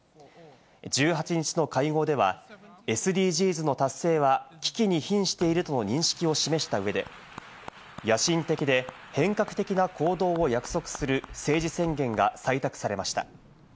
１８日の会合では、ＳＤＧｓの達成は危機に瀕しているとの認識を示した上で、野心的で変革的な行動を約束する政治宣言が採択されました。